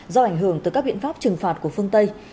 do ảnh hưởng từ các biện pháp trừng phạt của phương tây